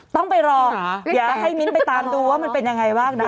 ต้องไปรอเดี๋ยวให้มิ้นไปตามดูว่ามันเป็นยังไงบ้างนะ